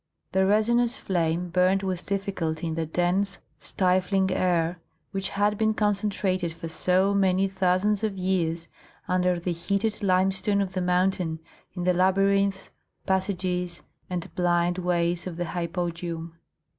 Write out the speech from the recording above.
The resinous flame burned with difficulty in the dense, stifling air which had been concentrated for so many thousands of years under the heated limestone of the mountain, in the labyrinths, passages, and blind ways of the hypogeum.